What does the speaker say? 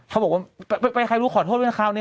เขาบอกว่าไปใครรู้ขอโทษด้วยนะคราวนี้